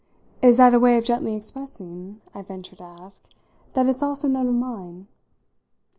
"Is that a way of gently expressing," I ventured to ask, "that it's also none of mine?"